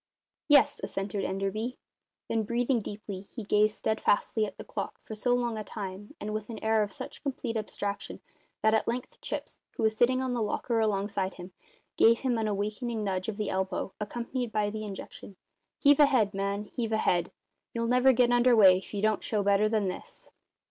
"Yes," assented Enderby. Then, breathing deeply, he gazed steadfastly at the clock for so long a time and with an air of such complete abstraction that at length Chips, who was sitting on the locker alongside him, gave him an awakening nudge of the elbow, accompanied by the injunction: "Heave ahead, man; heave ahead! You'll never get under way if you don't show better than this."